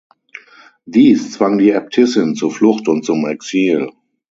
Dies zwang die Äbtissin zur Flucht und zum Exil.